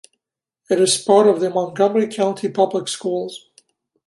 It is part of the Montgomery County Public Schools.